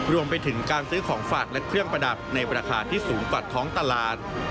รวมไปถึงการซื้อของฝากและเครื่องประดับในราคาที่สูงกว่าท้องตลาด